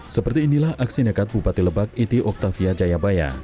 seperti inilah aksi nekat bupati lebak iti oktavia jayabaya